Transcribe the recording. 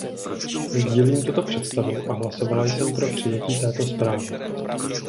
Sdílím tuto představu a hlasovala jsem pro přijetí této zprávy.